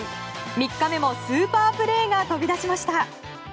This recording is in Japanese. ３日目のスーパープレーが飛び出しました。